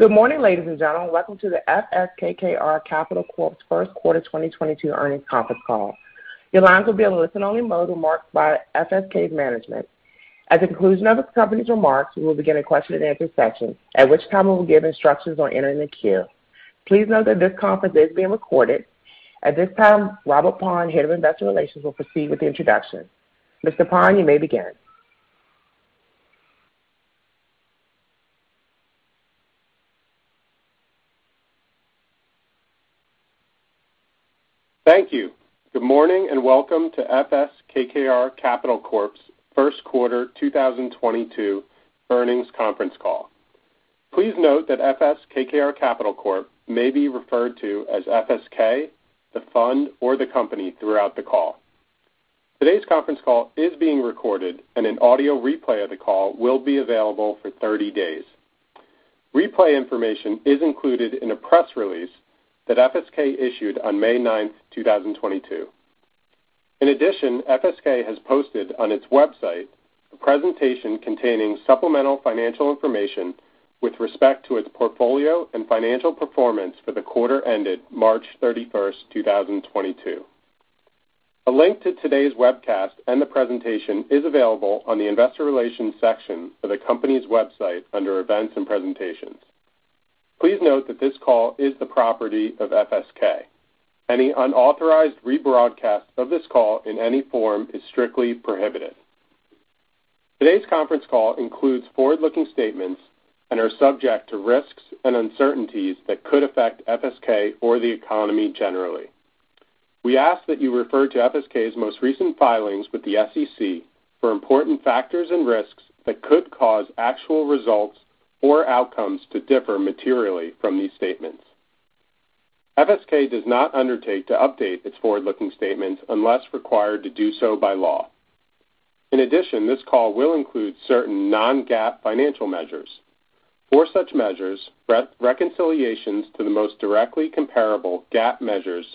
Good morning, ladies and gentlemen. Welcome to the FS KKR Capital Corp.'s First Quarter 2022 Earnings Conference Call. Your lines will be on listen-only mode until marked by FSK management. At the conclusion of the company's remarks, we will begin a question-and-answer session, at which time we will give instructions on entering the queue. Please note that this conference is being recorded. At this time, Robert Paun, Head of Investor Relations, will proceed with the introductions. Mr. Paun, you may begin. Thank you. Good morning, and welcome to FS KKR Capital Corp.'s First Quarter 2022 Earnings Conference Call. Please note that FS KKR Capital Corp. may be referred to as FSK, the Fund, or the Company throughout the call. Today's conference call is being recorded, and an audio replay of the call will be available for 30 days. Replay information is included in a press release that FSK issued on May 9, 2022. In addition, FSK has posted on its website a presentation containing supplemental financial information with respect to its portfolio and financial performance for the quarter ended March 31, 2022. A link to today's webcast and the presentation is available on the Investor Relations section of the company's website under Events and Presentations. Please note that this call is the property of FSK. Any unauthorized rebroadcast of this call in any form is strictly prohibited. Today's conference call includes forward-looking statements and are subject to risks and uncertainties that could affect FSK or the economy generally. We ask that you refer to FSK's most recent filings with the SEC for important factors and risks that could cause actual results or outcomes to differ materially from these statements. FSK does not undertake to update its forward-looking statements unless required to do so by law. In addition, this call will include certain non-GAAP financial measures. For such measures, reconciliations to the most directly comparable GAAP measures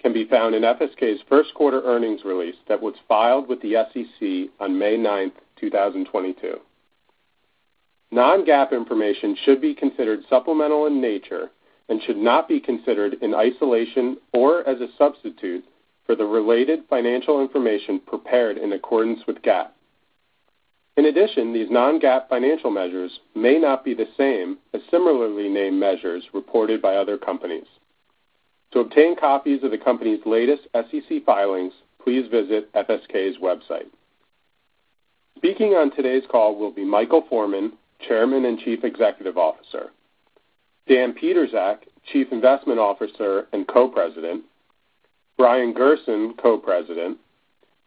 can be found in FSK's first quarter earnings release that was filed with the SEC on May ninth, two thousand twenty-two. Non-GAAP information should be considered supplemental in nature and should not be considered in isolation or as a substitute for the related financial information prepared in accordance with GAAP. In addition, these non-GAAP financial measures may not be the same as similarly named measures reported by other companies. To obtain copies of the company's latest SEC filings, please visit FSK's website. Speaking on today's call will be Michael Forman, Chairman and Chief Executive Officer, Dan Pietrzak, Chief Investment Officer and Co-President, Brian Gerson, Co-President,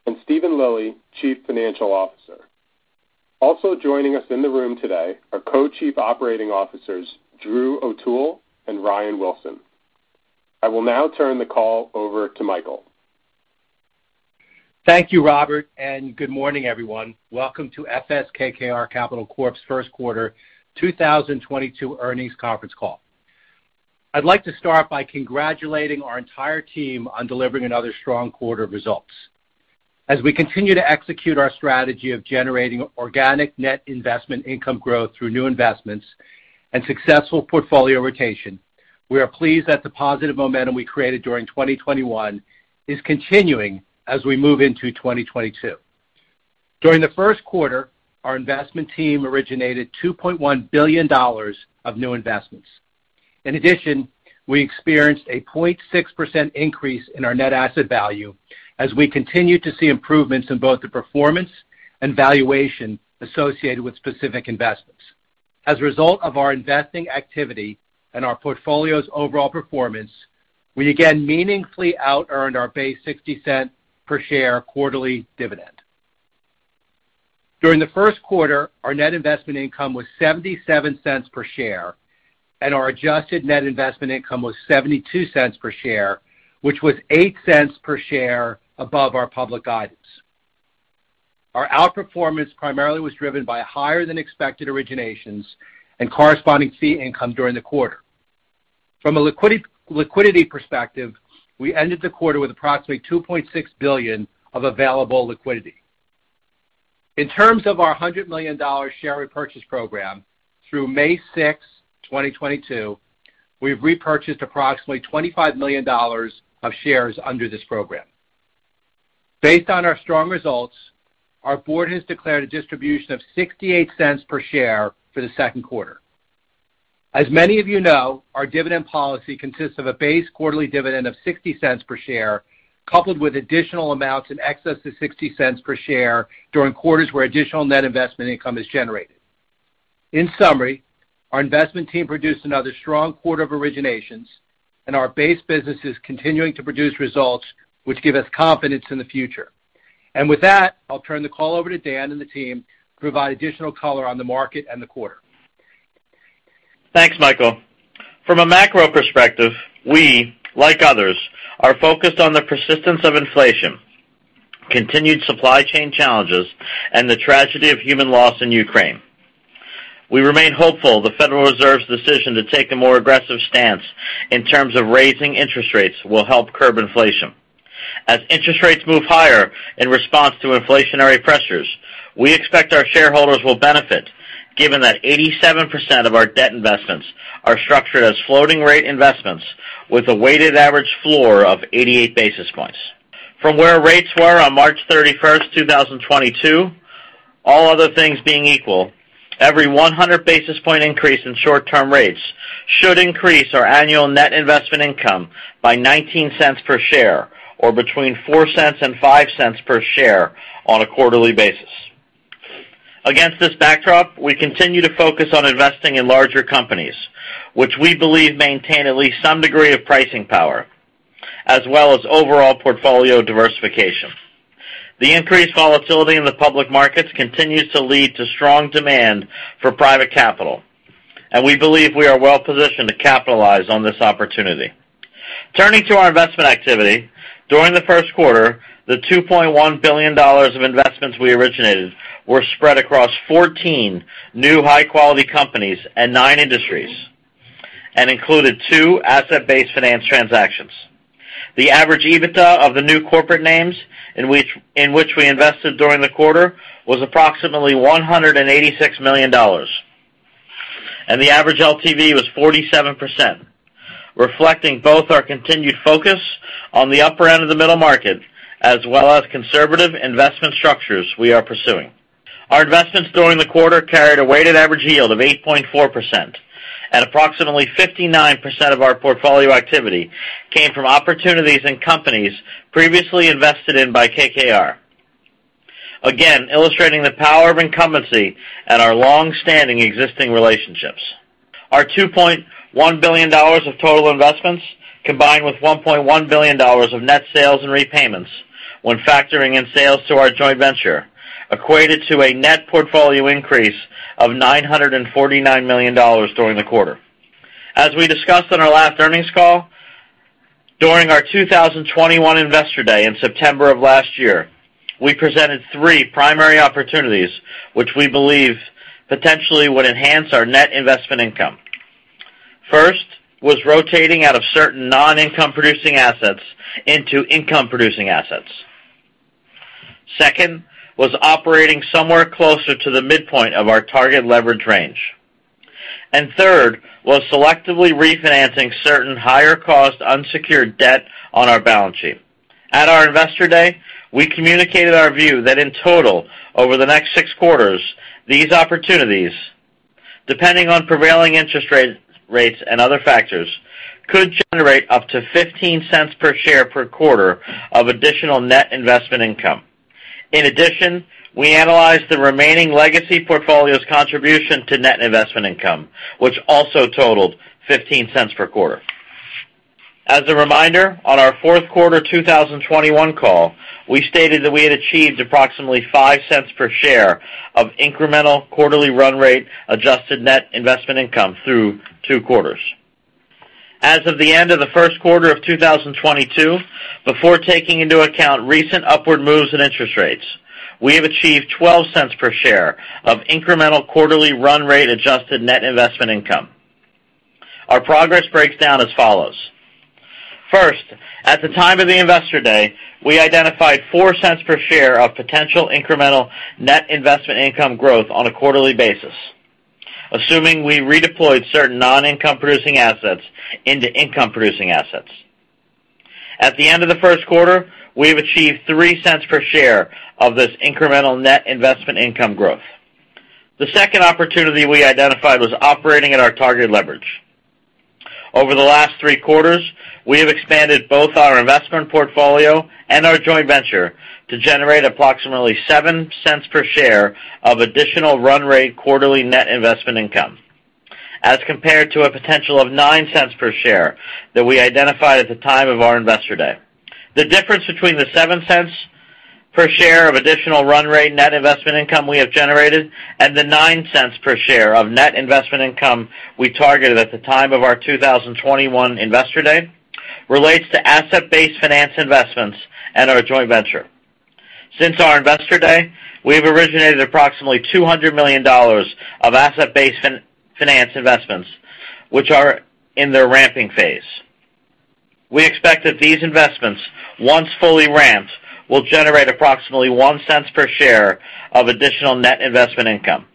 and Steven Lilly, Chief Financial Officer. Also joining us in the room today are Co-Chief Operating Officers Drew O'Toole and Ryan Wilson. I will now turn the call over to Michael. Thank you, Robert, and good morning, everyone. Welcome to FS KKR Capital Corp.'s First Quarter 2022 Earnings Conference Call. I'd like to start by congratulating our entire team on delivering another strong quarter of results. As we continue to execute our strategy of generating organic net investment income growth through new investments and successful portfolio rotation, we are pleased that the positive momentum we created during 2021 is continuing as we move into 2022. During the first quarter, our investment team originated $2.1 billion of new investments. In addition, we experienced a 0.6% increase in our net asset value as we continue to see improvements in both the performance and valuation associated with specific investments. As a result of our investing activity and our portfolio's overall performance, we again meaningfully outearned our base $0.60 per share quarterly dividend. During the first quarter, our net investment income was $0.77 per share, and our adjusted net investment income was $0.72 per share, which was $0.08 per share above our public guidance. Our outperformance primarily was driven by higher than expected originations and corresponding fee income during the quarter. From a liquidity perspective, we ended the quarter with approximately $2.6 billion of available liquidity. In terms of our $100 million share repurchase program, through May 6, 2022, we've repurchased approximately $25 million of shares under this program. Based on our strong results, our board has declared a distribution of $0.68 per share for the second quarter. As many of you know, our dividend policy consists of a base quarterly dividend of $0.60 per share, coupled with additional amounts in excess to $0.60 per share during quarters where additional net investment income is generated. In summary, our investment team produced another strong quarter of originations, and our base business is continuing to produce results which give us confidence in the future. With that, I'll turn the call over to Dan and the team to provide additional color on the market and the quarter. Thanks, Michael. From a macro perspective, we, like others, are focused on the persistence of inflation, continued supply chain challenges, and the tragedy of human loss in Ukraine. We remain hopeful the Federal Reserve's decision to take a more aggressive stance in terms of raising interest rates will help curb inflation. As interest rates move higher in response to inflationary pressures, we expect our shareholders will benefit given that 87% of our debt investments are structured as floating rate investments with a weighted average floor of 88 basis points. From where rates were on March 31st, 2022, all other things being equal, every 100 basis point increase in short-term rates should increase our annual net investment income by $0.19 per share, or between $0.04 and $0.05 per share on a quarterly basis. Against this backdrop, we continue to focus on investing in larger companies which we believe maintain at least some degree of pricing power, as well as overall portfolio diversification. The increased volatility in the public markets continues to lead to strong demand for private capital, and we believe we are well-positioned to capitalize on this opportunity. Turning to our investment activity, during the first quarter, the $2.1 billion of investments we originated were spread across 14 new high-quality companies and nine industries, and included two asset-based finance transactions. The average EBITDA of the new corporate names in which we invested during the quarter was approximately $186 million, and the average LTV was 47%, reflecting both our continued focus on the upper end of the middle market, as well as conservative investment structures we are pursuing. Our investments during the quarter carried a weighted average yield of 8.4%. Approximately 59% of our portfolio activity came from opportunities and companies previously invested in by KKR. Again, illustrating the power of incumbency and our long-standing existing relationships. Our $2.1 billion of total investments, combined with $1.1 billion of net sales and repayments when factoring in sales to our joint venture, equated to a net portfolio increase of $949 million during the quarter. As we discussed on our last earnings call, during our 2021 Investor Day in September of last year, we presented three primary opportunities which we believe potentially would enhance our net investment income. First, was rotating out of certain non-income producing assets into income producing assets. Second, was operating somewhere closer to the midpoint of our target leverage range. Third, was selectively refinancing certain higher cost unsecured debt on our balance sheet. At our Investor Day, we communicated our view that in total, over the next six quarters, these opportunities, depending on prevailing interest rates and other factors, could generate up to $0.15 per share per quarter of additional net investment income. In addition, we analyzed the remaining legacy portfolio's contribution to net investment income, which also totaled $0.15 per quarter. As a reminder, on our fourth quarter 2021 call, we stated that we had achieved approximately $0.05 per share of incremental quarterly run rate adjusted net investment income through two quarters. As of the end of the first quarter of 2022, before taking into account recent upward moves in interest rates, we have achieved $0.12 per share of incremental quarterly run rate adjusted net investment income. Our progress breaks down as follows. First, at the time of the Investor Day, we identified $0.04 per share of potential incremental net investment income growth on a quarterly basis, assuming we redeployed certain non-income producing assets into income producing assets. At the end of the first quarter, we have achieved $0.03 per share of this incremental net investment income growth. The second opportunity we identified was operating at our target leverage. Over the last three quarters, we have expanded both our investment portfolio and our joint venture to generate approximately $0.07 per share of additional run rate quarterly net investment income, as compared to a potential of $0.09 per share that we identified at the time of our Investor Day. The difference between the $0.07 per share of additional run rate net investment income we have generated and the $0.09 per share of net investment income we targeted at the time of our 2021 Investor Day relates to asset-based finance investments and our joint venture. Since our Investor Day, we have originated approximately $200 million of asset-based finance investments, which are in their ramping phase. We expect that these investments, once fully ramped, will generate approximately $0.01 per share of additional net investment income.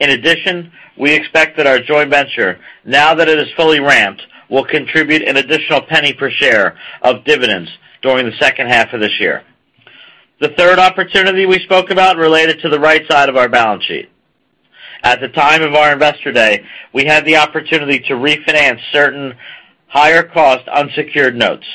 In addition, we expect that our joint venture, now that it is fully ramped, will contribute an additional $0.01 per share of dividends during the second half of this year. The third opportunity we spoke about related to the right side of our balance sheet. At the time of our Investor Day, we had the opportunity to refinance certain higher cost unsecured notes.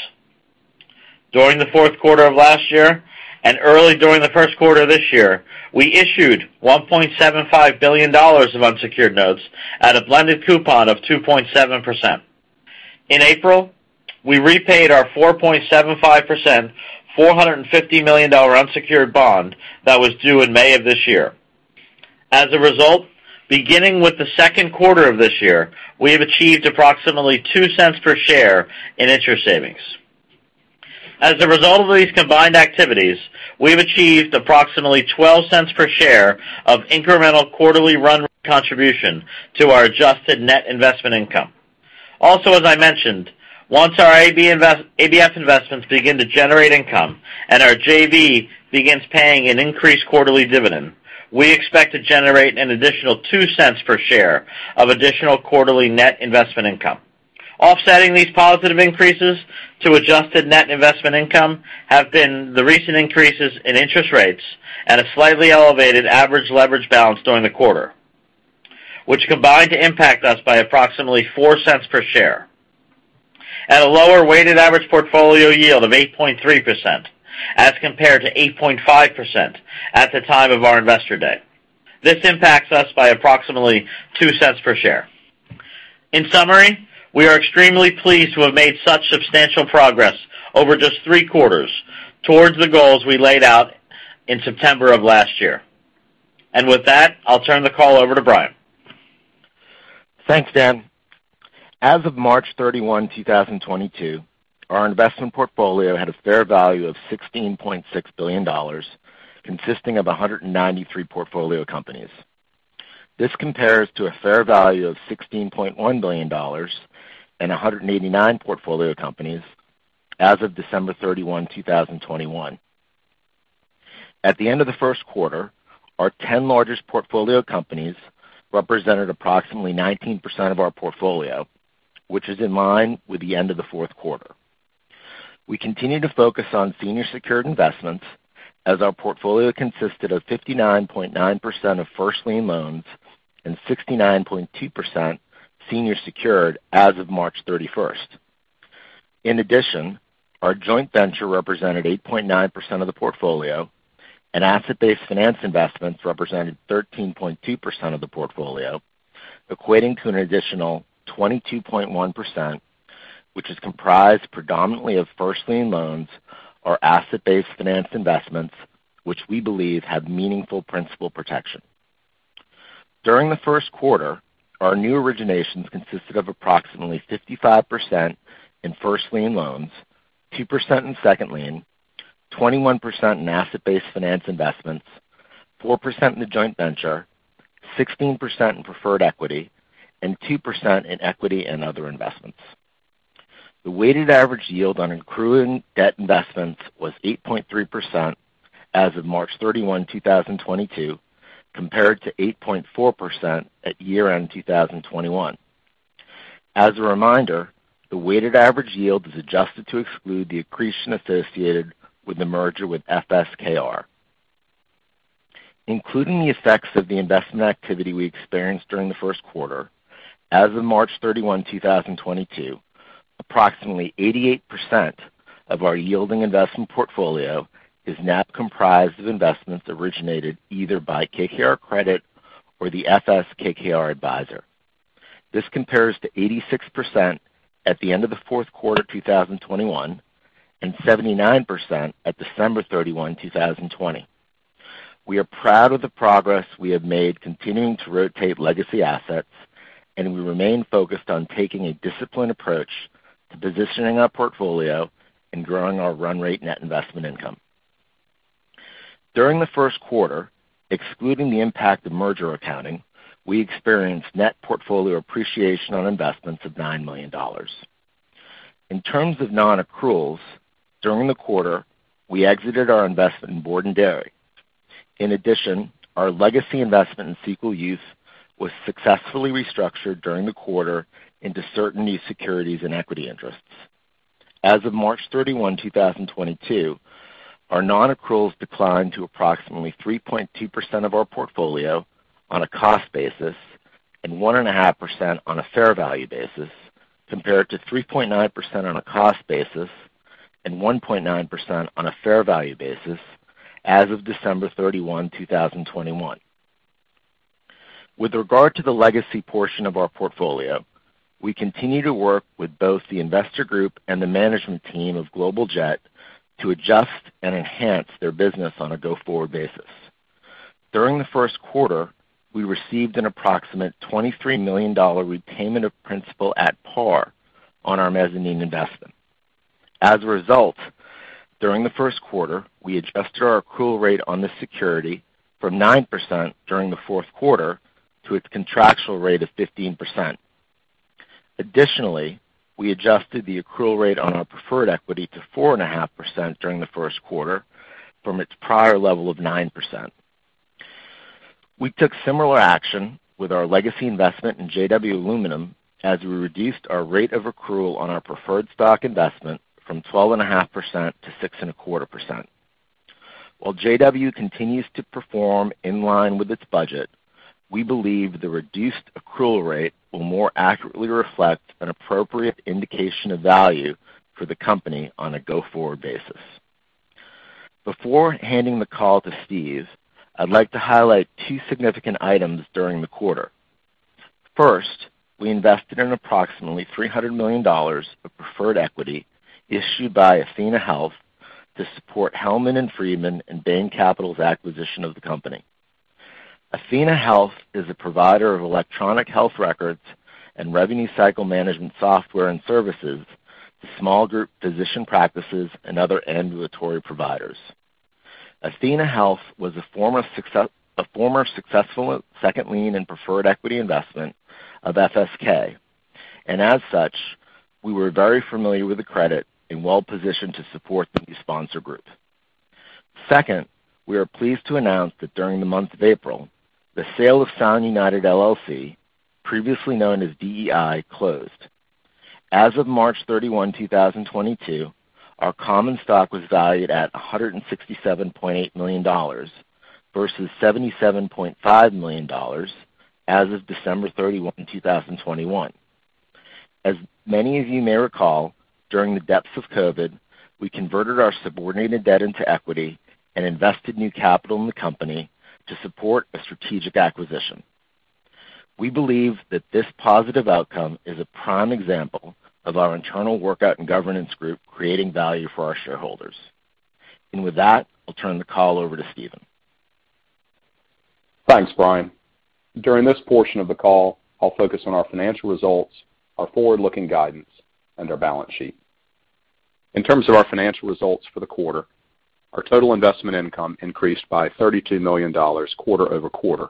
During the fourth quarter of last year and early during the first quarter this year, we issued $1.75 billion of unsecured notes at a blended coupon of 2.7%. In April, we repaid our 4.75%, $450 million unsecured bond that was due in May of this year. As a result, beginning with the second quarter of this year, we have achieved approximately $0.02 per share in interest savings. As a result of these combined activities, we have achieved approximately $0.12 per share of incremental quarterly run contribution to our adjusted net investment income. Also, as I mentioned, once our ABF investments begin to generate income and our JV begins paying an increased quarterly dividend, we expect to generate an additional $0.02 per share of additional quarterly net investment income. Offsetting these positive increases to adjusted net investment income have been the recent increases in interest rates at a slightly elevated average leverage balance during the quarter, which combined to impact us by approximately $0.04 per share. At a lower weighted average portfolio yield of 8.3% as compared to 8.5% at the time of our investor day. This impacts us by approximately $0.02 per share. In summary, we are extremely pleased to have made such substantial progress over just three quarters towards the goals we laid out in September of last year. With that, I'll turn the call over to Brian. Thanks, Dan. As of March 31, 2022, our investment portfolio had a fair value of $16.6 billion, consisting of 193 portfolio companies. This compares to a fair value of $16.1 billion and 189 portfolio companies as of December 31, 2021. At the end of the first quarter, our 10 largest portfolio companies represented approximately 19% of our portfolio, which is in line with the end of the fourth quarter. We continue to focus on senior secured investments as our portfolio consisted of 59.9% of first lien loans and 69.2% senior secured as of March 31. In addition, our joint venture represented 8.9% of the portfolio, and asset-based finance investments represented 13.2% of the portfolio, equating to an additional 22.1%, which is comprised predominantly of first lien loans or asset-based finance investments, which we believe have meaningful principal protection. During the first quarter, our new originations consisted of approximately 55% in first lien loans, 2% in second lien, 21% in asset-based finance investments, 4% in the joint venture, 16% in preferred equity, and 2% in equity and other investments. The weighted average yield on accruing debt investments was 8.3% as of March 31, 2022, compared to 8.4% at year-end 2021. As a reminder, the weighted average yield is adjusted to exclude the accretion associated with the merger with FSKR. Including the effects of the investment activity we experienced during the first quarter, as of March 31, 2022, approximately 88% of our yielding investment portfolio is now comprised of investments originated either by KKR Credit or the FS/KKR advisor. This compares to 86% at the end of the fourth quarter 2021 and 79% at December 31, 2020. We are proud of the progress we have made continuing to rotate legacy assets, and we remain focused on taking a disciplined approach to positioning our portfolio and growing our run rate net investment income. During the first quarter, excluding the impact of merger accounting, we experienced net portfolio appreciation on investments of $9 million. In terms of non-accruals, during the quarter, we exited our investment in Borden Dairy. In addition, our legacy investment in SQL Youth was successfully restructured during the quarter into certain securities and equity interests. As of March 31, 2022, our non-accruals declined to approximately 3.2% of our portfolio on a cost basis and 1.5% on a fair value basis, compared to 3.9% on a cost basis and 1.9% on a fair value basis as of December 31, 2021. With regard to the legacy portion of our portfolio, we continue to work with both the investor group and the management team of Global Jet Capital to adjust and enhance their business on a go-forward basis. During the first quarter, we received an approximate $23 million repayment of principal at par on our mezzanine investment. As a result, during the first quarter, we adjusted our accrual rate on this security from 9% during the fourth quarter to its contractual rate of 15%. Additionally, we adjusted the accrual rate on our preferred equity to 4.5% during the first quarter from its prior level of 9%. We took similar action with our legacy investment in JW Aluminum as we reduced our rate of accrual on our preferred stock investment from 12.5%-6.25%. While JW continues to perform in line with its budget, we believe the reduced accrual rate will more accurately reflect an appropriate indication of value for the company on a go-forward basis. Before handing the call to Steve, I'd like to highlight two significant items during the quarter. First, we invested in approximately $300 million of preferred equity issued by athenahealth to support Hellman & Friedman and Bain Capital's acquisition of the company. athenahealth is a provider of electronic health records and revenue cycle management software and services to small group physician practices and other ambulatory providers. athenahealth was a former successful second lien and preferred equity investment of FSK. As such, we were very familiar with the credit and well-positioned to support the new sponsor group. Second, we are pleased to announce that during the month of April, the sale of Sound United, LLC, previously known as DEI, closed. As of March thirty-one, two thousand and twenty-two, our common stock was valued at $167.8 million versus $77.5 million as of December 31, 2021. As many of you may recall, during the depths of COVID, we converted our subordinated debt into equity and invested new capital in the company to support a strategic acquisition. We believe that this positive outcome is a prime example of our internal workout and governance group creating value for our shareholders. With that, I'll turn the call over to Steven. Thanks, Brian. During this portion of the call, I'll focus on our financial results, our forward-looking guidance, and our balance sheet. In terms of our financial results for the quarter, our total investment income increased by $32 million quarter over quarter,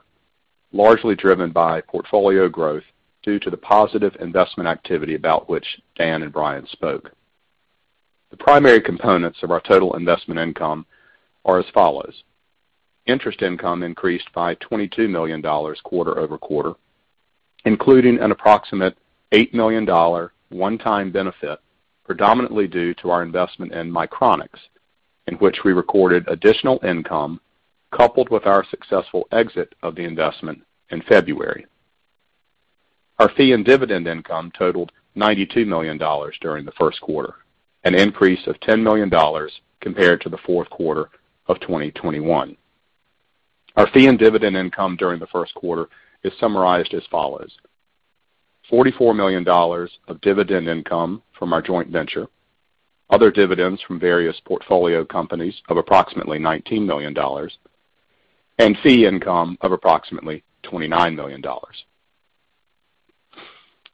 largely driven by portfolio growth due to the positive investment activity about which Dan and Brian spoke. The primary components of our total investment income are as follows. Interest income increased by $22 million quarter over quarter, including an approximate $8 million one-time benefit, predominantly due to our investment in Micronics, in which we recorded additional income coupled with our successful exit of the investment in February. Our fee and dividend income totaled $92 million during the first quarter, an increase of $10 million compared to the fourth quarter of 2021. Our fee and dividend income during the first quarter is summarized as follows, $44 million of dividend income from our joint venture, other dividends from various portfolio companies of approximately $19 million, and fee income of approximately $29 million.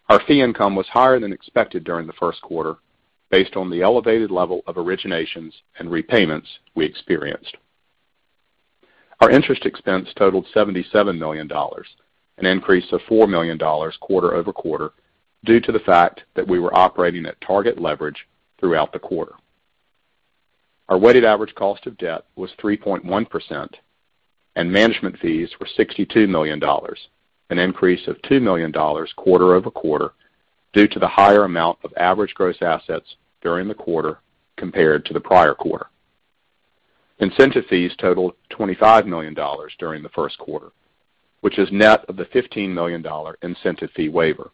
Our fee income was higher than expected during the first quarter based on the elevated level of originations and repayments we experienced. Our interest expense totaled $77 million, an increase of $4 million quarter-over-quarter due to the fact that we were operating at target leverage throughout the quarter. Our weighted average cost of debt was 3.1%, and management fees were $62 million, an increase of $2 million quarter-over-quarter due to the higher amount of average gross assets during the quarter compared to the prior quarter. Incentive fees totaled $25 million during the first quarter, which is net of the $15 million incentive fee waiver.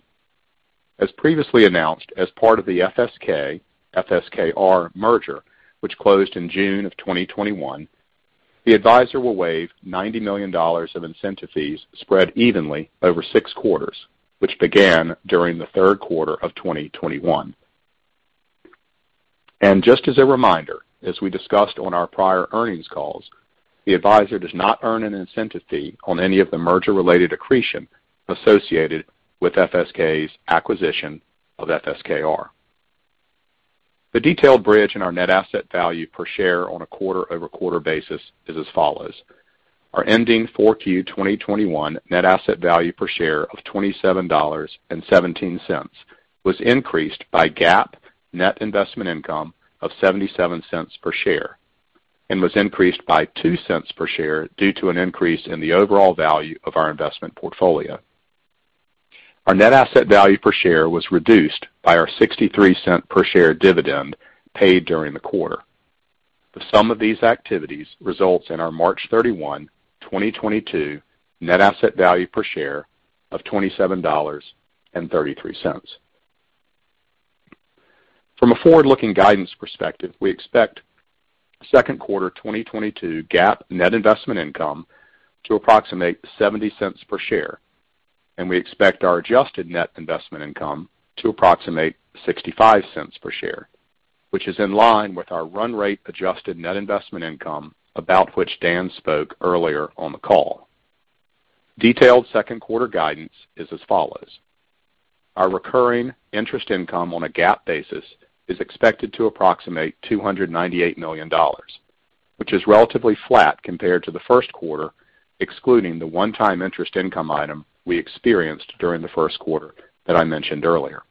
As previously announced as part of the FSK-FSKR merger, which closed in June 2021, the advisor will waive $90 million of incentive fees spread evenly over six quarters, which began during the third quarter of 2021. Just as a reminder, as we discussed on our prior earnings calls, the advisor does not earn an incentive fee on any of the merger-related accretion associated with FSK's acquisition of FSKR. The detailed bridge in our net asset value per share on a quarter-over-quarter basis is as follows. Our ending 4Q 2021 net asset value per share of $27.17 was increased by GAAP net investment income of $0.77 per share and was increased by $0.02 per share due to an increase in the overall value of our investment portfolio. Our net asset value per share was reduced by our $0.63 per share dividend paid during the quarter. The sum of these activities results in our March 31, 2022 net asset value per share of $27.33. From a forward-looking guidance perspective, we expect 2Q 2022 GAAP net investment income to approximate $0.70 per share, and we expect our adjusted net investment income to approximate $0.65 per share, which is in line with our run rate adjusted net investment income about which Dan spoke earlier on the call. Detailed second quarter guidance is as follows. Our recurring interest income on a GAAP basis is expected to approximate $298 million, which is relatively flat compared to the first quarter, excluding the one-time interest income item we experienced during the first quarter that I mentioned earlier.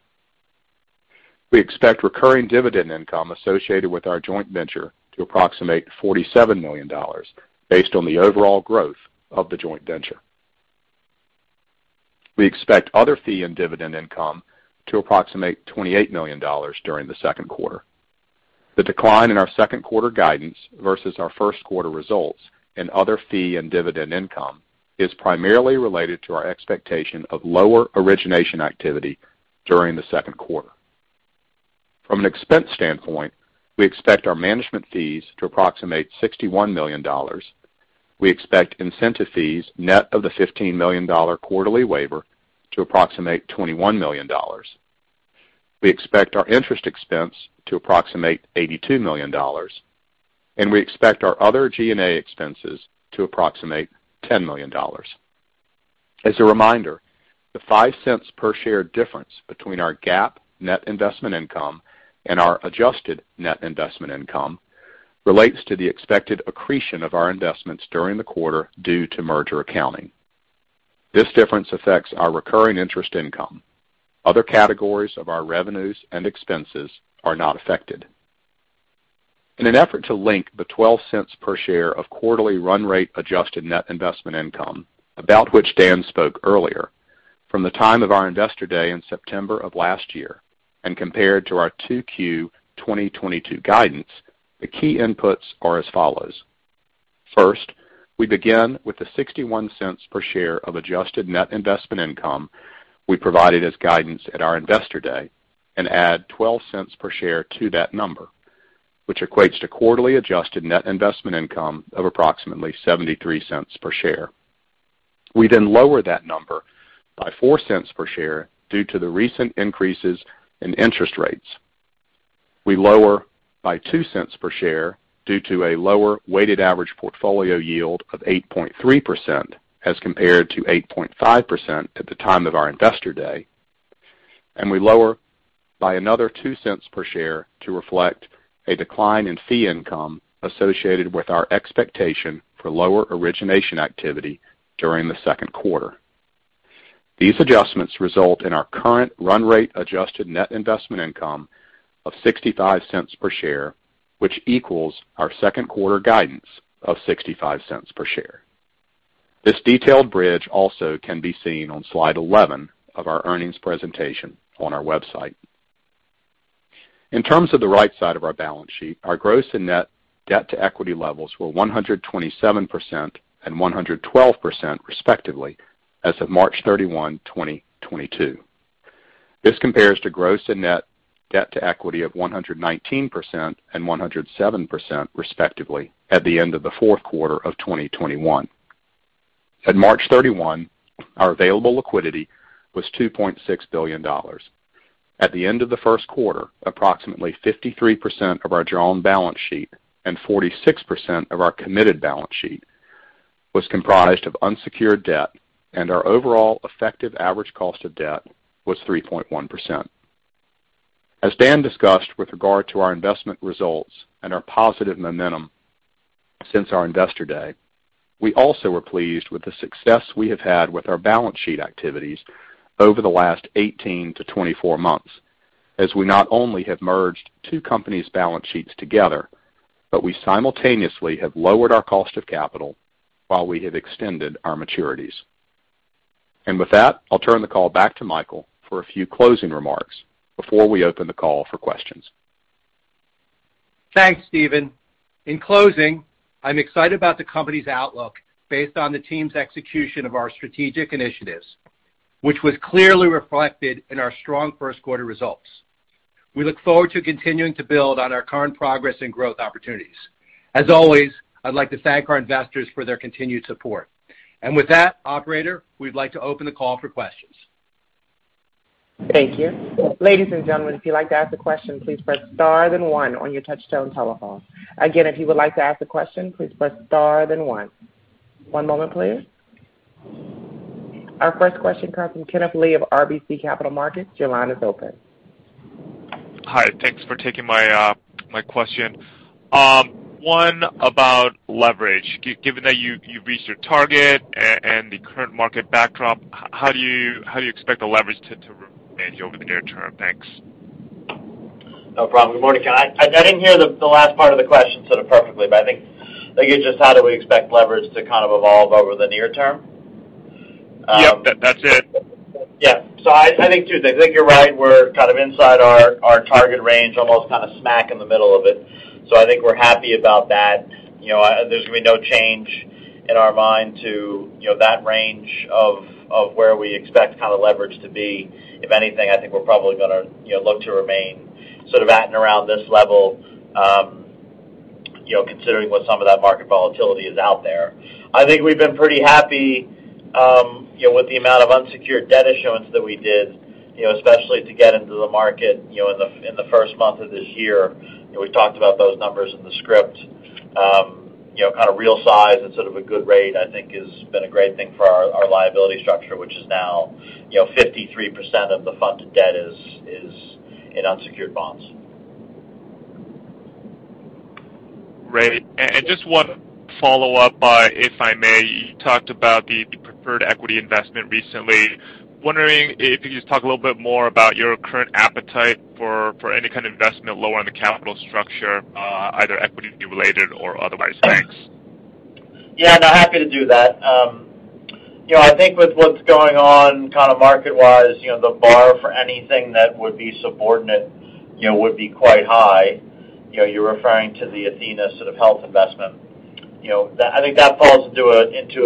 We expect recurring dividend income associated with our joint venture to approximate $47 million based on the overall growth of the joint venture. We expect other fee and dividend income to approximate $28 million during the second quarter. The decline in our second quarter guidance versus our first quarter results and other fee and dividend income is primarily related to our expectation of lower origination activity during the second quarter. From an expense standpoint, we expect our management fees to approximate $61 million. We expect incentive fees net of the $15 million quarterly waiver to approximate $21 million. We expect our interest expense to approximate $82 million, and we expect our other G&A expenses to approximate $10 million. As a reminder, the $0.05 per share difference between our GAAP net investment income and our adjusted net investment income relates to the expected accretion of our investments during the quarter due to merger accounting. This difference affects our recurring interest income. Other categories of our revenues and expenses are not affected. In an effort to link the $0.12 per share of quarterly run rate adjusted net investment income, about which Dan spoke earlier, from the time of our Investor Day in September of last year and compared to our 2Q 2022 guidance, the key inputs are as follows. First, we begin with the $0.61 per share of adjusted net investment income we provided as guidance at our Investor Day and add $0.12 per share to that number, which equates to quarterly adjusted net investment income of approximately $0.73 per share. We then lower that number by $0.04 per share due to the recent increases in interest rates. We lower by $0.02 per share due to a lower weighted average portfolio yield of 8.3% as compared to 8.5% at the time of our Investor Day. We lower by another $0.02 per share to reflect a decline in fee income associated with our expectation for lower origination activity during the second quarter. These adjustments result in our current run rate adjusted net investment income of $0.65 per share, which equals our second quarter guidance of $0.65 per share. This detailed bridge also can be seen on slide 11 of our earnings presentation on our website. In terms of the right side of our balance sheet, our gross and net debt to equity levels were 127% and 112%, respectively, as of March 31, 2022. This compares to gross and net debt to equity of 119% and 107%, respectively, at the end of the fourth quarter of 2021. At March 31, our available liquidity was $2.6 billion. At the end of the first quarter, approximately 53% of our drawn balance sheet and 46% of our committed balance sheet was comprised of unsecured debt, and our overall effective average cost of debt was 3.1%. As Dan discussed with regard to our investment results and our positive momentum since our Investor Day, we also were pleased with the success we have had with our balance sheet activities over the last 18-24 months, as we not only have merged two companies' balance sheets together, but we simultaneously have lowered our cost of capital while we have extended our maturities. With that, I'll turn the call back to Michael for a few closing remarks before we open the call for questions. Thanks, Steven. In closing, I'm excited about the company's outlook based on the team's execution of our strategic initiatives, which was clearly reflected in our strong first quarter results. We look forward to continuing to build on our current progress and growth opportunities. As always, I'd like to thank our investors for their continued support. With that, operator, we'd like to open the call for questions. Thank you. Ladies and gentlemen, if you'd like to ask a question, please press star then one on your touchtone telephone. Again, if you would like to ask a question, please press star then one. One moment, please. Our first question comes from Kenneth Lee of RBC Capital Markets. Your line is open. Hi, thanks for taking my question. One about leverage. Given that you've reached your target and the current market backdrop, how do you expect the leverage to remain over the near term? Thanks. No problem. Good morning. I didn't hear the last part of the question sort of perfectly, but I think it's just how do we expect leverage to kind of evolve over the near term? Yep. That, that's it. Yeah. I think you're right. We're kind of inside our target range, almost kind of smack in the middle of it. I think we're happy about that. You know, there's gonna be no change in our mind to you know that range of where we expect kind of leverage to be. If anything, I think we're probably gonna you know look to remain sort of at and around this level you know considering what some of that market volatility is out there. I think we've been pretty happy you know with the amount of unsecured debt issuance that we did you know especially to get into the market you know in the first month of this year. You know, we've talked about those numbers in the script. You know, kind of right size and sort of a good rate, I think has been a great thing for our liability structure, which is now, you know, 53% of the funded debt is in unsecured bonds. Great. Just one follow-up, if I may. You talked about the preferred equity investment recently. Wondering if you could just talk a little bit more about your current appetite for any kind of investment lower on the capital structure, either equity related or otherwise. Thanks. Yeah, no, happy to do that. You know, I think with what's going on kind of market-wise, you know, the bar for anything that would be subordinate, you know, would be quite high. You know, you're referring to the athenahealth investment. You know, that I think that falls into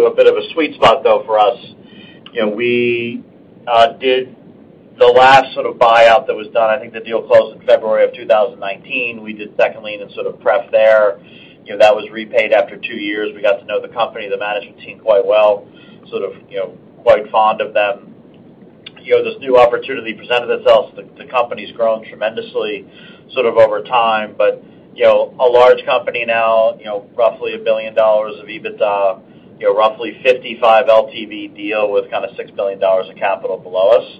a bit of a sweet spot, though, for us. You know, we did the last sort of buyout that was done. I think the deal closed in February 2019. We did second lien and sort of pref there. You know, that was repaid after 2 years. We got to know the company, the management team quite well, sort of, you know, quite fond of them. You know, this new opportunity presented itself. The company's grown tremendously sort of over time. You know, a large company now, you know, roughly $1 billion of EBITDA, you know, roughly 55 LTV deal with kinda $6 billion of capital below us.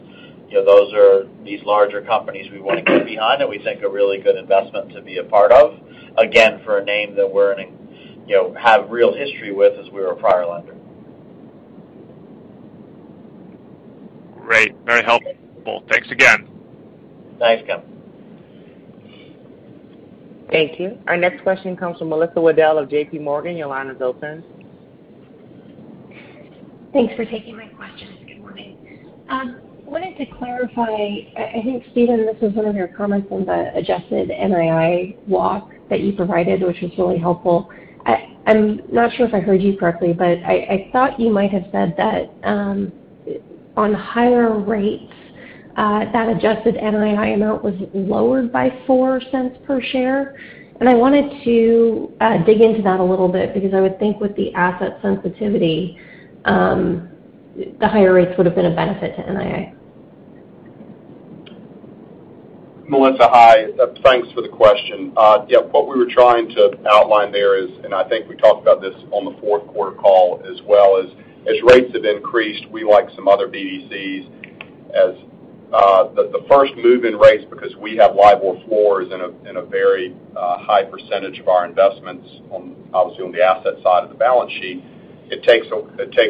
You know, those are these larger companies we wanna get behind and we think a really good investment to be a part of. Again, for a name that we're in a, you know, have real history with as we were a prior lender. Great. Very helpful. Thanks again. Thanks, Ken. Thank you. Our next question comes from Melissa Wedel of JPMorgan. Your line is open. Thanks for taking my questions. Good morning. Wanted to clarify, I think, Steven, this was one of your comments on the adjusted NII walk that you provided, which was really helpful. I'm not sure if I heard you correctly, but I thought you might have said that, on higher rates, that adjusted NII amount was lowered by $0.04 per share. I wanted to dig into that a little bit because I would think with the asset sensitivity, the higher rates would have been a benefit to NII. Melissa, hi. Thanks for the question. Yeah, what we were trying to outline there is, and I think we talked about this on the fourth quarter call as well, is as rates have increased, we like some other BDCs. As the first move in rates because we have LIBOR floors in a very high percentage of our investments, obviously, on the asset side of the balance sheet, it takes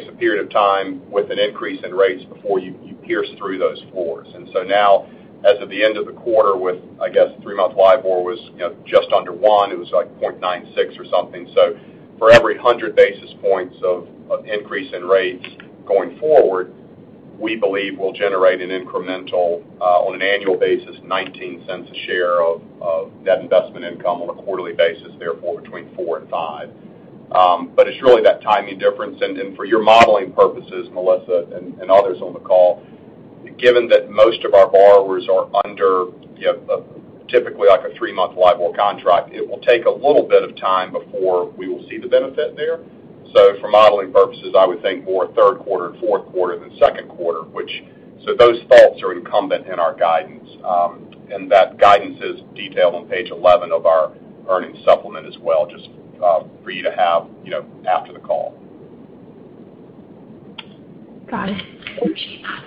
a period of time with an increase in rates before you pierce through those floors. Now, as of the end of the quarter, I guess, three-month LIBOR was just under one you know, it was like 0.96 or something. For every 100 basis points of increase in rates going forward, we believe we'll generate an incremental on an annual basis, $0.19 a share of net investment income on a quarterly basis, therefore between $0.04 and $0.05. But it's really that timing difference. For your modeling purposes, Melissa, and others on the call, given that most of our borrowers are under, you know, typically like a three-month LIBOR contract, it will take a little bit of time before we will see the benefit there. For modeling purposes, I would think more third quarter and fourth quarter than second quarter. Those thoughts are inherent in our guidance. That guidance is detailed on page 11 of our earnings supplement as well, just for you to have, you know, after the call. Got it. Appreciate that.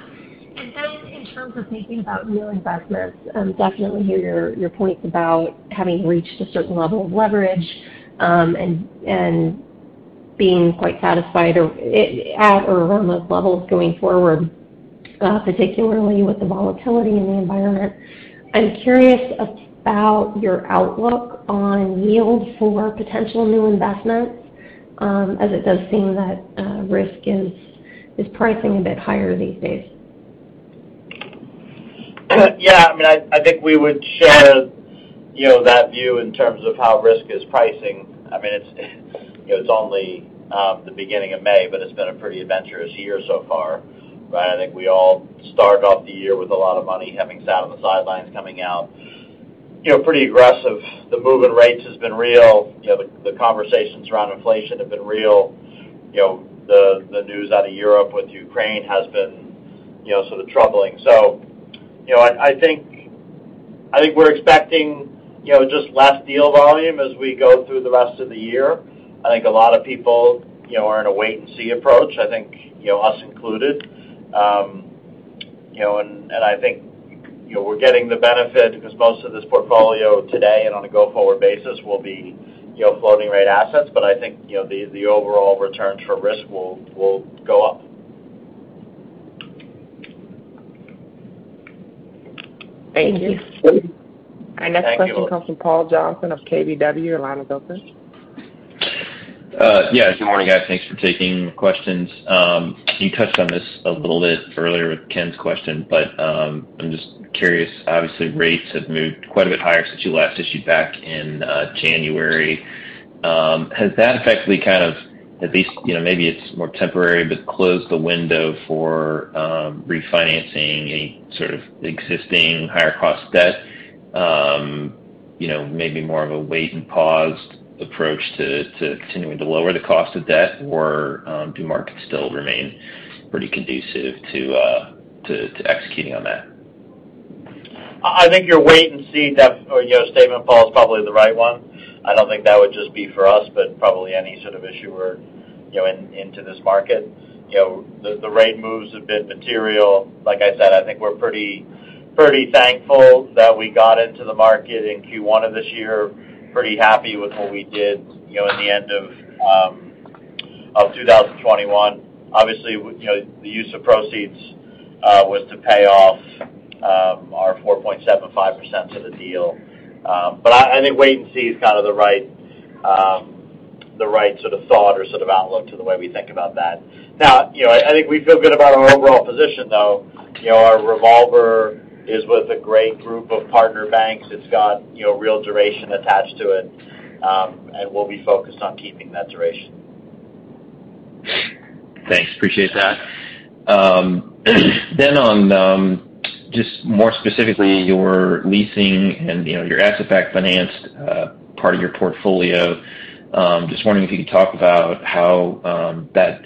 Then in terms of thinking about new investments, definitely hear your points about having reached a certain level of leverage, and being quite satisfied or at or around those levels going forward, particularly with the volatility in the environment. I'm curious about your outlook on yield for potential new investments, as it does seem that risk is pricing a bit higher these days. Yeah. I mean, I think we would share, you know, that view in terms of how risk is pricing. I mean, it's, you know, it's only the beginning of May, but it's been a pretty adventurous year so far, right? I think we all start off the year with a lot of money having sat on the sidelines coming out, you know, pretty aggressive. The move in rates has been real. You know, the conversations around inflation have been real. You know, the news out of Europe with Ukraine has been, you know, sort of troubling. You know, I think we're expecting, you know, just less deal volume as we go through the rest of the year. I think a lot of people, you know, are in a wait and see approach. I think, you know, us included. You know, I think we're getting the benefit 'cause most of this portfolio today and on a go-forward basis will be, you know, floating rate assets. I think, you know, the overall returns for risk will go up. Thank you. Thank you. Thank you. Our next question comes from Paul Johnson of KBW. Your line is open. Yeah, good morning, guys. Thanks for taking the questions. You touched on this a little bit earlier with Ken's question, but I'm just curious. Obviously, rates have moved quite a bit higher since you last issued back in January. Has that effectively kind of, at least, you know, maybe it's more temporary, but closed the window for refinancing any sort of existing higher cost debt? You know, maybe more of a wait and paused approach to continuing to lower the cost of debt or do markets still remain pretty conducive to executing on that? I think your wait-and-see statement, Paul, is probably the right one. I don't think that would just be for us, but probably any sort of issuer, you know, into this market. You know, the rate moves have been material. Like I said, I think we're pretty thankful that we got into the market in Q1 of this year. Pretty happy with what we did, you know, at the end of 2021. Obviously, you know, the use of proceeds was to pay off our 4.75% notes. I think wait and see is kind of the right sort of thought or sort of outlook to the way we think about that. Now, you know, I think we feel good about our overall position, though. You know, our revolver is with a great group of partner banks. It's got, you know, real duration attached to it. We'll be focused on keeping that duration. Thanks. Appreciate that. Just more specifically, your leasing and, you know, your asset-based finance, part of your portfolio, just wondering if you could talk about how that,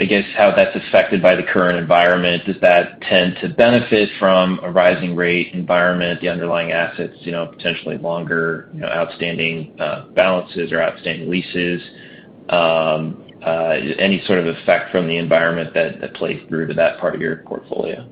I guess, how that's affected by the current environment. Does that tend to benefit from a rising rate environment, the underlying assets, you know, potentially longer, you know, outstanding balances or outstanding leases? Any sort of effect from the environment that plays through to that part of your portfolio?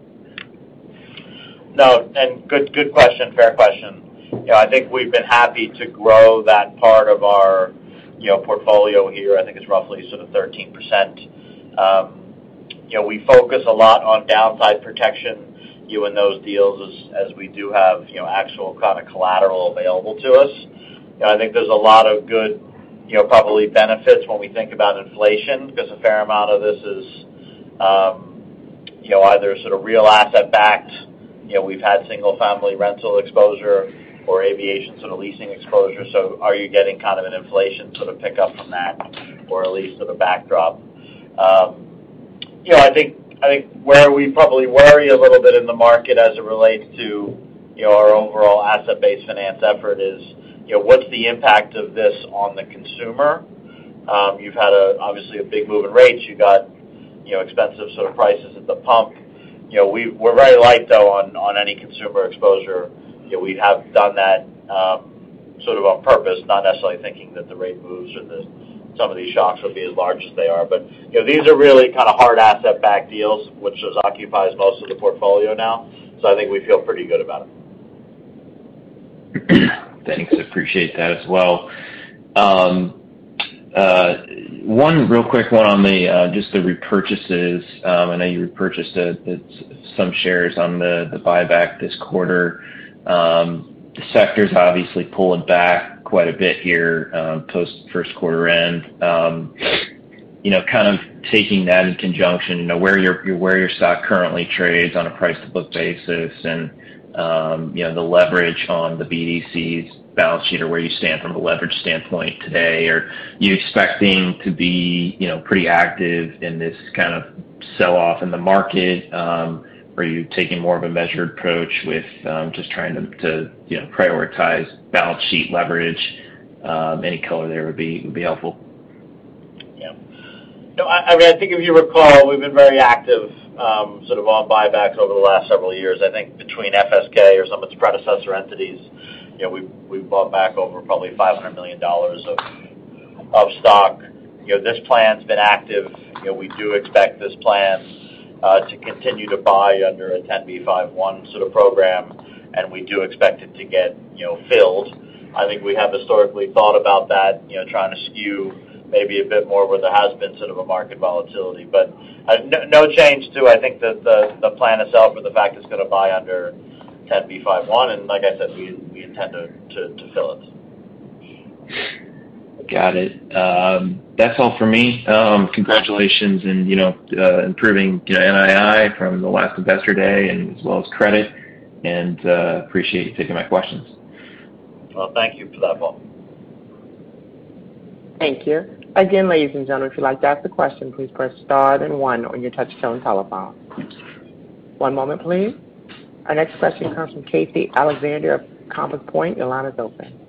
No. Good question. Fair question. You know, I think we've been happy to grow that part of our, you know, portfolio here. I think it's roughly sort of 13%. You know, we focus a lot on downside protection, you know, in those deals as we do have, you know, actual kind of collateral available to us. You know, I think there's a lot of good, you know, probably benefits when we think about inflation, because a fair amount of this is, you know, either sort of real asset-backed. You know, we've had single-family rental exposure or aviation sort of leasing exposure. Are you getting kind of an inflation sort of pickup from that or at least sort of backstop? You know, I think where we probably worry a little bit in the market as it relates to, you know, our overall asset-based finance effort is, you know, what's the impact of this on the consumer. You've had obviously a big move in rates. You've got, you know, expensive sort of prices at the pump. You know, we're very light, though, on any consumer exposure. You know, we have done that sort of on purpose, not necessarily thinking that the rate moves or some of these shocks would be as large as they are. You know, these are really kind of hard asset backed deals, which occupies most of the portfolio now. I think we feel pretty good about them. Thanks. Appreciate that as well. One real quick one on just the repurchases. I know you repurchased some shares on the buyback this quarter. The sector's obviously pulling back quite a bit here, post first quarter end. You know, kind of taking that in conjunction, you know, where your stock currently trades on a price to book basis and, you know, the leverage on the BDC's balance sheet or where you stand from a leverage standpoint today. Are you expecting to be, you know, pretty active in this kind of sell off in the market? Are you taking more of a measured approach with just trying to, you know, prioritize balance sheet leverage? Any color there would be helpful. Yeah. No, I think if you recall, we've been very active, sort of on buybacks over the last several years. I think between FSK or some of its predecessor entities, you know, we've bought back over probably $500 million of stock. You know, this plan's been active. You know, we do expect this plan to continue to buy under a 10b5-1 sort of program, and we do expect it to get, you know, filled. I think we have historically thought about that, you know, trying to skew maybe a bit more where there has been sort of a market volatility. But no change to, I think, the plan itself or the fact it's gonna buy under 10b5-1. Like I said, we intend to fill it. Got it. That's all for me. Congratulations on, you know, improving, you know, NII from the last Investor Day and as well as credit. Appreciate you taking my questions. Well, thank you for that, Paul. Thank you. Again, ladies and gentlemen, if you'd like to ask a question, please press star then one on your touchtone telephone. One moment, please. Our next question comes from Casey Alexander of Compass Point. Your line is open.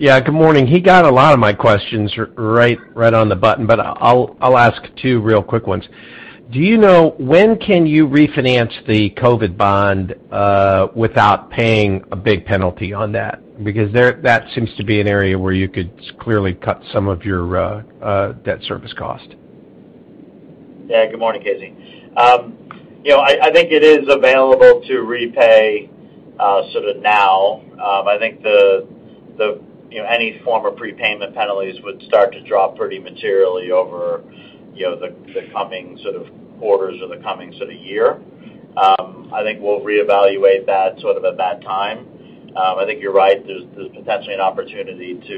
Yeah. Good morning. He got a lot of my questions right on the button, but I'll ask two real quick ones. Do you know when can you refinance the COVID bond without paying a big penalty on that? Because that seems to be an area where you could clearly cut some of your debt service cost. Yeah. Good morning, Casey. You know, I think it is available to repay, sort of now. I think you know, any form of prepayment penalties would start to drop pretty materially over, you know, the coming sort of quarters or the coming sort of year. I think we'll reevaluate that sort of at that time. I think you're right. There's potentially an opportunity to,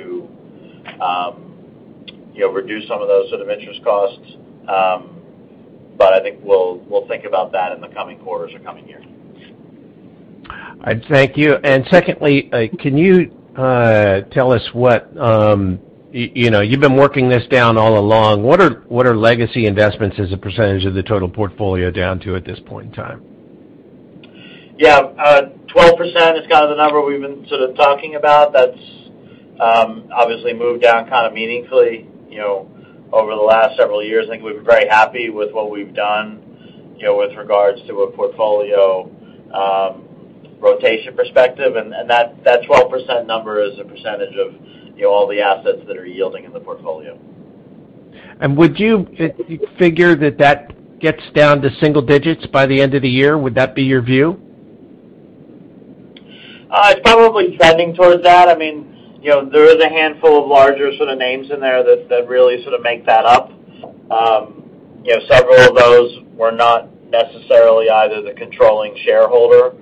you know, reduce some of those sort of interest costs. I think we'll think about that in the coming quarters or coming year. All right. Thank you. Secondly, can you tell us what, you know, you've been working this down all along. What are legacy investments as a percentage of the total portfolio down to at this point in time? Yeah. 12% is kind of the number we've been sort of talking about. That's obviously moved down kind of meaningfully, you know, over the last several years. I think we've been very happy with what we've done, you know, with regards to a portfolio rotation perspective. That 12% number is a percentage of, you know, all the assets that are yielding in the portfolio. Would you figure that that gets down to single digits by the end of the year? Would that be your view? It's probably trending towards that. I mean, you know, there is a handful of larger sort of names in there that really sort of make that up. You know, several of those were not necessarily either the controlling shareholder,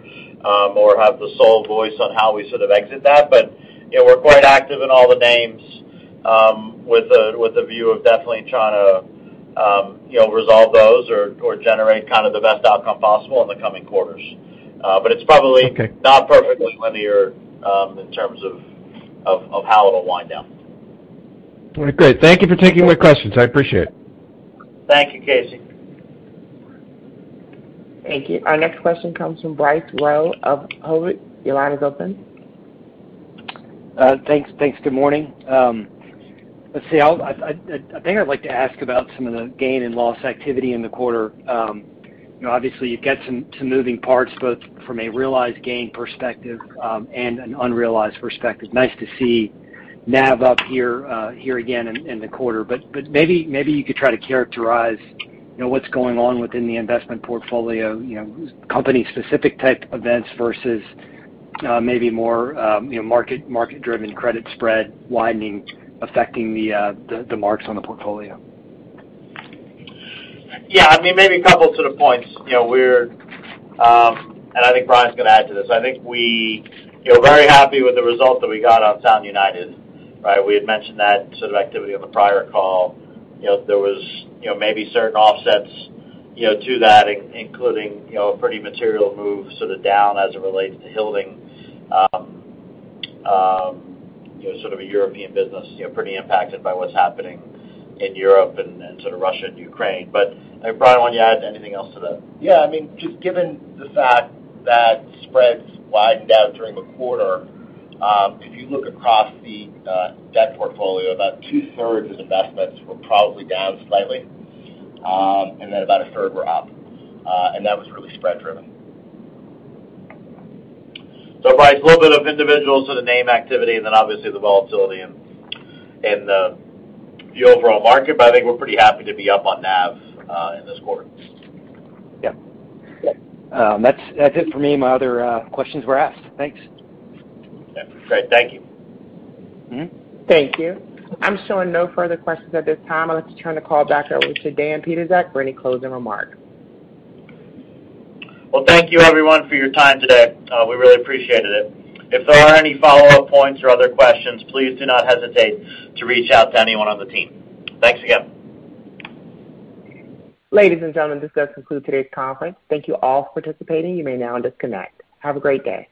or have the sole voice on how we sort of exit that. You know, we're quite active in all the names, with the view of definitely trying to, you know, resolve those or generate kind of the best outcome possible in the coming quarters. It's probably. Okay. not perfectly linear, in terms of how it'll wind down. Great. Thank you for taking my questions. I appreciate it. Thank you, Casey. Thank you. Our next question comes from Bryce Rowe of Hovde. Your line is open. Thanks. Good morning. Let's see. I think I'd like to ask about some of the gain and loss activity in the quarter. You know, obviously you get some moving parts, both from a realized gain perspective, and an unrealized perspective. Nice to see NAV up here again in the quarter. But maybe you could try to characterize what's going on within the investment portfolio, you know, company specific type events versus maybe more market-driven credit spread widening affecting the marks on the portfolio. Yeah, I mean, maybe a couple sort of points. You know, we're. I think Brian's gonna add to this. I think we, you know, very happy with the result that we got on Sound United, right? We had mentioned that sort of activity on the prior call. You know, there was, you know, maybe certain offsets, you know, to that, including, you know, a pretty material move sort of down as it relates to Hodve, you know, sort of a European business, you know, pretty impacted by what's happening in Europe and sort of Russia and Ukraine. Brian, why don't you add anything else to that? Yeah, I mean, just given the fact that spreads widened out during the quarter, if you look across the debt portfolio, about two-thirds of investments were probably down slightly, and then about a third were up, and that was really spread driven. Bryce, a little bit of individual name activity and then obviously the volatility in the overall market, but I think we're pretty happy to be up on NAV in this quarter. Yeah. Yeah. That's it for me. My other questions were asked. Thanks. Yeah. Great. Thank you. Thank you. I'm showing no further questions at this time. I'd like to turn the call back over to Dan Pietrzak for any closing remarks. Well, thank you everyone for your time today. We really appreciated it. If there are any follow-up points or other questions, please do not hesitate to reach out to anyone on the team. Thanks again. Ladies and gentlemen, this does conclude today's conference. Thank you all for participating. You may now disconnect. Have a great day.